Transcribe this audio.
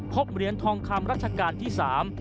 เหรียญทองคำรัชกาลที่สาม